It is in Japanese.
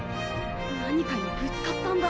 何かにぶつかったんだ。